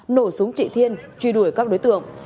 nổ súng trị thiên truy đuổi các đối tượng